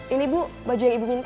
ini bu baju yang ibu minta